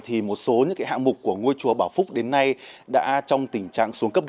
thì một số những hạng mục của ngôi chùa bảo phúc đến nay đã trong tình trạng xuống cấp